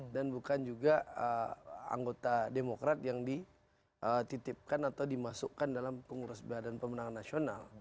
dan bukan juga anggota demokrat yang dititipkan atau dimasukkan dalam pengurus badan pemenang nasional